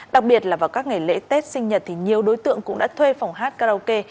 đặc biệt là vào các ngày lễ tết sinh nhật thì nhiều đối tượng cũng đã thuê phòng hát karaoke